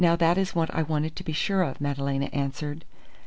'" "That is what I wanted to be sure of," Madalena answered.